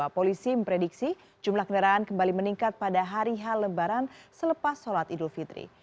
polisi memprediksi jumlah kendaraan kembali meningkat pada hari h lebaran selepas sholat idul fitri